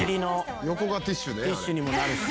「横がティッシュで」